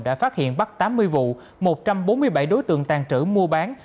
đã phát hiện bắt tám mươi vụ một trăm bốn mươi bảy đối tượng tàn trữ mua bán